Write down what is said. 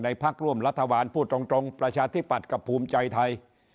พักร่วมรัฐบาลพูดตรงประชาธิปัตย์กับภูมิใจไทย